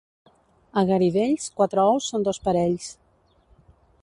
A Garidells, quatre ous són dos parells.